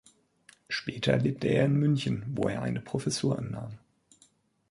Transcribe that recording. Später lebte er in München, wo er eine Professur annahm.